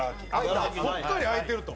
澤部：ぽっかり空いてると。